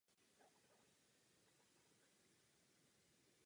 Mezi předměty které učila patřila i hudba.